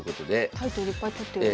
タイトルいっぱい取ってるけど。